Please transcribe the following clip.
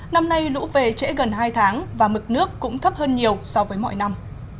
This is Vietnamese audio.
năm nay lũ về trễ gần hai tháng và mực nước cũng thấp hơn nhiều so với mọi năm